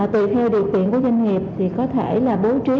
tùy theo điều kiện của doanh nghiệp thì có thể là bố trí